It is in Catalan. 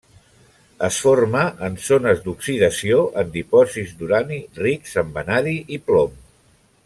Es forma en zones d’oxidació en dipòsits d’urani rics en vanadi i plom.